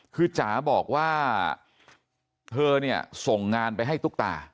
คือจ๋าบอกว่าเธอเนี่ยส่งงานไปให้ตุ๊กตา